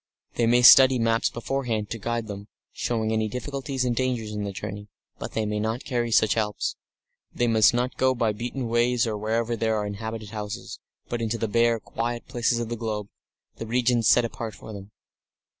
They may study maps beforehand to guide them, showing any difficulties and dangers in the journey, but they may not carry such helps. They must not go by beaten ways or wherever there are inhabited houses, but into the bare, quiet places of the globe the regions set apart for them.